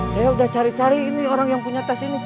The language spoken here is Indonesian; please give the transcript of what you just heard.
saya sudah cari cari ini orang yang punya tas ini